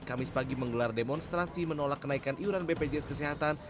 kamis pagi menggelar demonstrasi menolak kenaikan iuran bpjs kesehatan